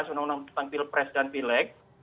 undang undang tentang pilpres dan pileg